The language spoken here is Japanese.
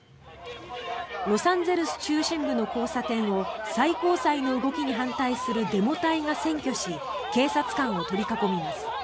ロサンゼルス中心部の交差点を最高裁の動きに反対するデモ隊が占拠し警察官を取り囲みます。